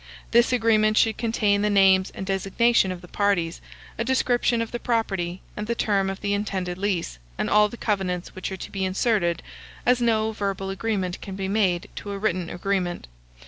This agreement should contain the names and designation of the parties, a description of the property, and the term of the intended lease, and all the covenants which are to be inserted, as no verbal agreement can be made to a written agreement.